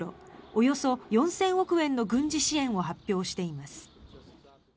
およそ４０００億円の軍事支援を発表しています。